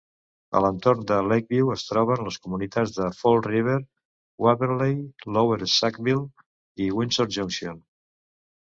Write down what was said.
A l'entorn de Lakeview, es troben les comunitats de Fall River, Waverley, Lower Sackville i Windsor Junction.